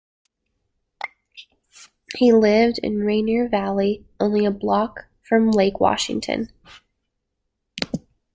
He lived in Rainier Valley only a block from Lake Washington.